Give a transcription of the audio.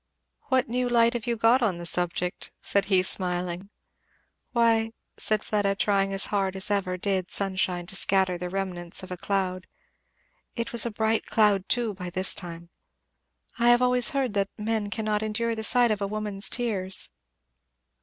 "What new light have you got on the subject?" said he, smiling. "Why," said Fleda, trying as hard as ever did sunshine to scatter the remnants of a cloud, it was a bright cloud too by this time, "I have always heard that men cannot endure the sight of a woman's tears."